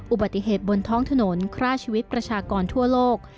อุบัติเหตุบนท้องถนนฆ่าชีวิตประชากรทั่วโลก